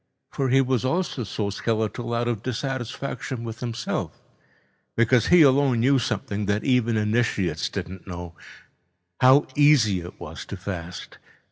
For he was also so skeletal out of dissatisfaction with himself, because he alone knew something that even initiates didn't know—how easy it was to fast.